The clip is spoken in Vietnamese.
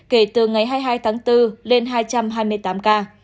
kể từ ngày hai mươi hai tháng bốn lên hai trăm hai mươi tám ca